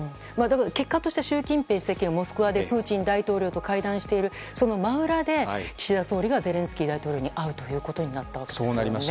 結果として習近平国家主席がモスクワでプーチン大統領と会談しているその真裏で岸田総理がゼレンスキー大統領に会うことになったわけですよね。